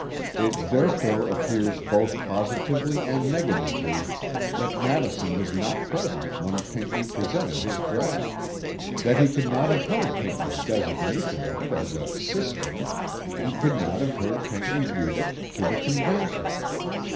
It therefore appears both positively and negatively that Madison was not present when Pinckney presented his draught; that he could not have heard Pinckney's designation of it as a "system" and could not have heard Pinckney read it to the Convention.